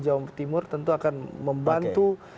jawa timur tentu akan membantu